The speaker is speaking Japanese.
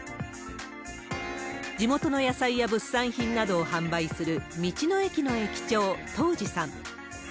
地元の野菜や物産品などを販売する道の駅の駅長、田路さん。